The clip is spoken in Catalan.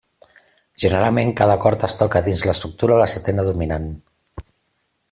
Generalment, cada acord es toca dins l'estructura de setena dominant.